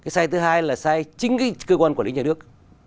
sai thứ hai là sai chính cơ quan quản lý nhà nước